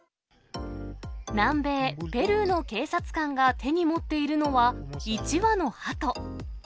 南米ペルーの警察官が手に持っているのは、１羽のハト。